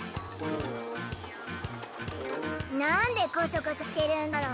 なんでコソコソしてるんだろう。